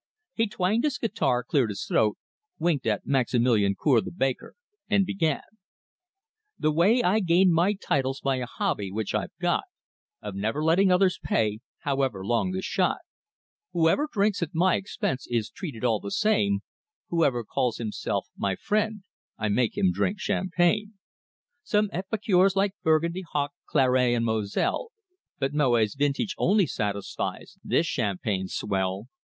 He twanged his guitar, cleared his throat, winked at Maximilian Cour the baker, and began: "The way I gained my title's by a hobby which I've got Of never letting others pay, however long the shot; Whoever drinks at my expense is treated all the same; Whoever calls himself my friend, I make him drink champagne. Some epicures like Burgundy, Hock, Claret, and Moselle, But Moet's vintage only satisfies this champagne swell.